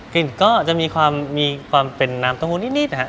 กลิ่นก็จะมีความเป็นน้ำโต๊ะหู้นิดนะฮะ